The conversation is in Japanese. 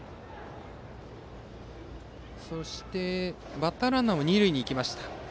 バッターランナーは二塁へ行きました。